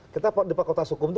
kita di pakultas hukum tuh